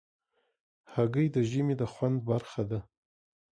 هګۍ د ژبې د خوند برخه ده.